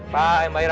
bye mbak ira